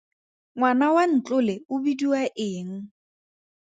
Ngwana wa Ntlole o bidiwa eng?